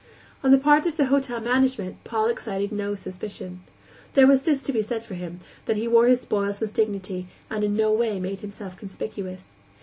On the part of the hotel management, Paul excited no suspicion. There was this to be said for him, that he wore his spoils with dignity and in no way made himself conspicuous.